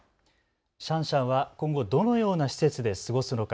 シャンシャンは今後どのような施設で過ごすのか。